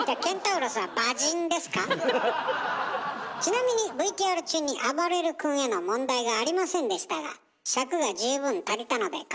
ちなみにＶＴＲ中にあばれる君への問題がありませんでしたが尺が十分足りたのでカットしました。